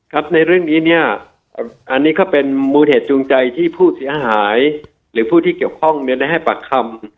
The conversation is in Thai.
ครับในเรื่องนี้เนี่ยอันนี้ก็เป็นมูลเหตุจูงใจที่ผู้เสียหายหรือผู้ที่เกี่ยวข้องได้ให้ปากคำ